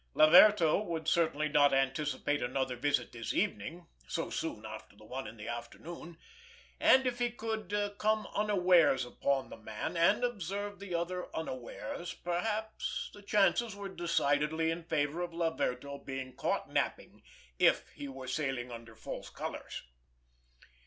Laverto would certainly not anticipate another visit this evening, so soon after the one of the afternoon; and if he could come unawares upon the man, and observe the other unawares perhaps, the chances were decidedly in favor of Laverto being caught napping if he were sailing under false colors.